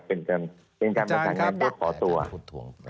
เป็นการประชานงานขอตัว